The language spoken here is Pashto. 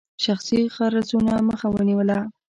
شخصي غرضونو مخه ونیوله.